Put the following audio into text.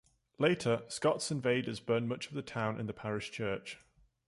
Later, Scots invaders burned much of the town and the parish church.